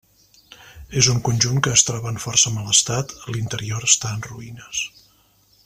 És un conjunt que es troba en força mal estat, l'interior està en ruïnes.